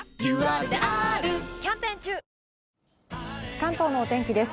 関東のお天気です。